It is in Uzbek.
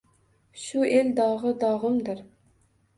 Shu el dog’i dog’imdir.